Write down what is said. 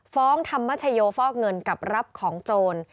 ธรรมชโยฟอกเงินกับรับของโจร